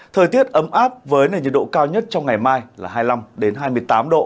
thời tiết ấm áp với nền nhiệt độ cao nhất trong ngày mai là hai mươi năm hai mươi tám độ